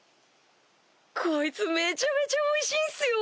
こいつめちゃめちゃおいしいんすよ！